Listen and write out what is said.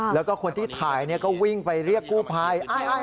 แล้วก็คนที่ถ่ายก็วิ่งไปเรียกกู้ภัย